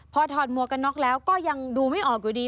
พอถอดหมวกกันน็อกแล้วก็ยังดูไม่ออกอยู่ดี